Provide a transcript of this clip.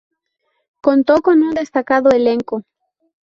Contó con un destacado elenco.